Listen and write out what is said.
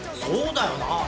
そうだよな。